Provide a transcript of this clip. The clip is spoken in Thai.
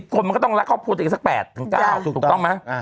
คนมันก็ต้องรักครอบครัวตัวเองสัก๘๙ถูกต้องไหม